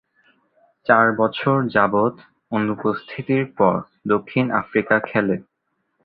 চার বছর যাবৎ অনুপস্থিতির পর দক্ষিণ আফ্রিকা খেলে।